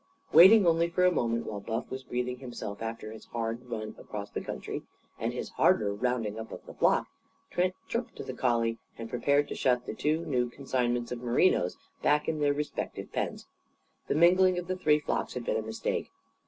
Waiting only for a moment, while Buff was breathing himself after his hard run across country, and his harder rounding up of the flock, Trent chirped to the collie, and prepared to shut the two new consignments of merinos back in their respective pens. The mingling of the three flocks had been a mistake.